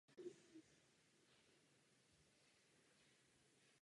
Společně však můžeme jednat s běloruskou vládou o umístění stavby.